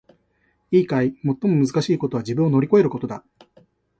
いいかい！最もむずかしいことは自分を乗り越えることだ！